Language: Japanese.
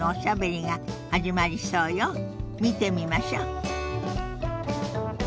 見てみましょ。